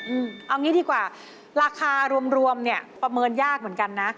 เอาอย่างนี้ดีกว่าราคารวมประเมินยากเหมือนกันนะ